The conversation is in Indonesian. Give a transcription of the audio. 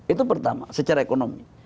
itu pertama secara ekonomi